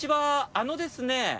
あのですね